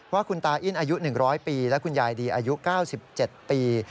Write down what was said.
ว่าคุณตาอิ้นอายุ๑๐๐ปีและคุณยายดีอายุ๙๗ปี